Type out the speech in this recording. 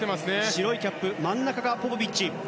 白いキャップ真ん中がポポビッチ。